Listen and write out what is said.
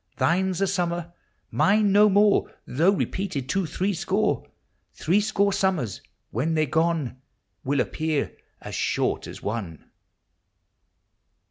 Thine's a summer; mine no more, Though repeated to threescore! Threescore summers, when they 're gone, Will appear as short as one!